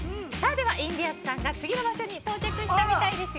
インディアンスさんが次の場所に到着したようですよ。